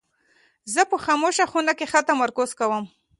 زه په خاموشه خونه کې ښه تمرکز کوم.